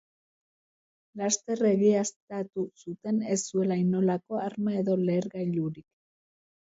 Laster egiaztatu zuten ez zuela inolako arma edo lehergailurik.